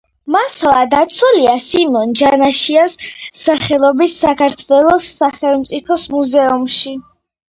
მასალა დაცულია სიმონ ჯანაშიას სახელობის საქართველოს სახელმწიფო მუზეუმში.